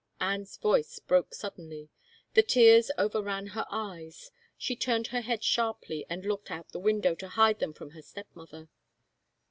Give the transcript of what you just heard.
" Anne's voice broke suddenly. The tears over ran her tyts. She turned her head sharply and looked out the window to hide them from her stepmother.